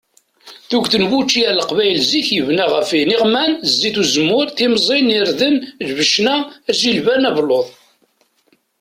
Tuget n wučči ar leqbayel zik yebna ɣef iniɣman, zit uzemmur, timẓin, irden, lbecna, ajilban, abelluḍ.